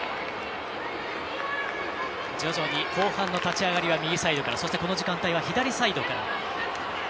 徐々に後半の立ち上がりは右サイドからそして、この時間は左サイドから。